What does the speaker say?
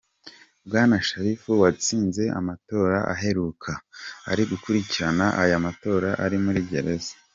Bwana Sharif watsinze amatora aheruka, ari gukurikirana aya matora ari muri gereza.